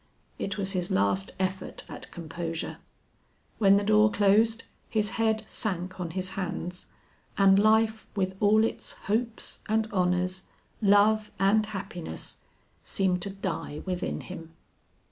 It was his last effort at composure. When the door closed, his head sank on his hands, and life with all its hopes and honors, love and happiness, seemed to die within him.